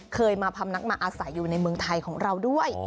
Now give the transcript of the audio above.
เคยมาพำนักมาอาศัยอยู่ในเมืองไทยของเราด้วย